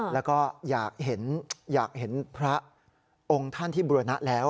แล้วก็อยากเห็นพระองค์ท่านที่บุรณะแล้ว